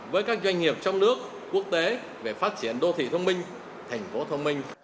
với các doanh nghiệp trong nước quốc tế về phát triển đô thị thông minh thành phố thông minh